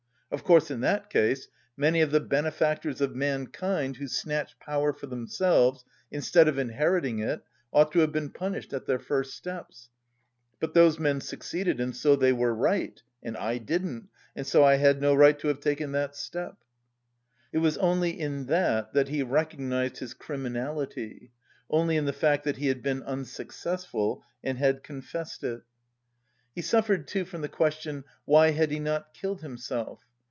Of course, in that case many of the benefactors of mankind who snatched power for themselves instead of inheriting it ought to have been punished at their first steps. But those men succeeded and so they were right, and I didn't, and so I had no right to have taken that step." It was only in that that he recognised his criminality, only in the fact that he had been unsuccessful and had confessed it. He suffered too from the question: why had he not killed himself?